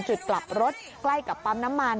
จุดกลับรถใกล้กับปั๊มน้ำมัน